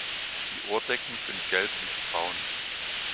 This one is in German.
Die Ohrdecken sind gelblichbraun.